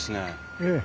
ええ。